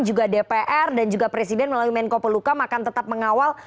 juga dpr dan juga presiden melalui menko pelukam akan tetap mengawal